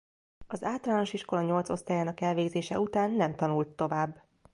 Az általános iskola nyolc osztályának elvégzése után nem tanult tovább.